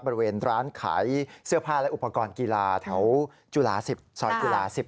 บริเวณร้านขายเสื้อผ้าและอุปกรณ์กีฬาแถวจุฬา๑๐ซอยจุฬา๑๐